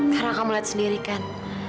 karena kamu lihat sendiri kan